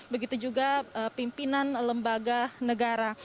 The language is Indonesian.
begitu juga pimpinan lembaga negara